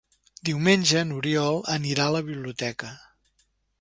Diumenge n'Oriol anirà a la biblioteca.